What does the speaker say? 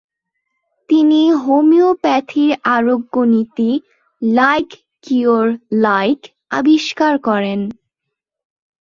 তিনি হোমিওপ্যাথির আরোগ্য নীতি “লাইক কিউর লাইক” আবিষ্কার করেন।